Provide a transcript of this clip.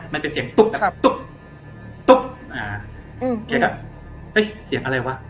มันเป็นเสียงตุ๊บแบบตุ๊บตุ๊บอ่าแกก็เฮ้ยเสียงอะไรวะ